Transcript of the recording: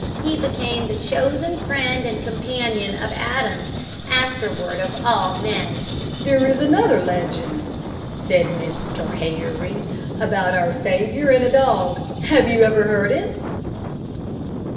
He became the chosen friend and companion of Adam, afterward of all men." "There is another legend," said Mr. Harry, "about our Saviour and a dog. Have you ever heard it?"